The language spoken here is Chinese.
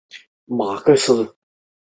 重要事件及趋势逝世重要人物